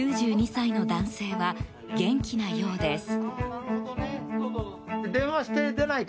９２歳の男性は元気なようです。